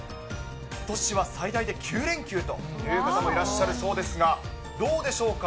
ことしは最大で９連休という方もいらっしゃるそうですが、どうでしょうか。